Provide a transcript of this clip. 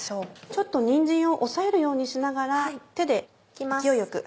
ちょっとにんじんを押さえるようにしながら手で勢いよく。